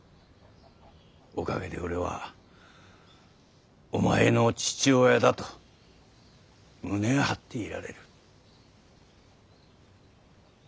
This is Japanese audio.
おかげで俺はお前の父親だと胸を張っていられる。